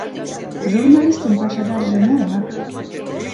Журналистын пашадарже моак?..